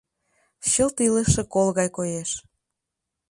Чылт илыше кол гай коеш.